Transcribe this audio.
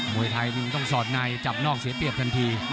วยไทยนี่ต้องสอดในจับนอกเสียเปรียบทันที